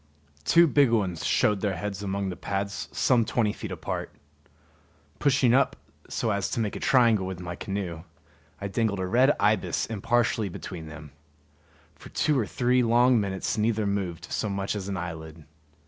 Two big ones showed their heads among the pads some twenty feet apart. Pushing up so as to make a triangle with my canoe, I dangled a red ibis impartially between them. For two or three long minutes neither moved so much as an eyelid.